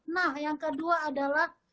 nah yang kedua adalah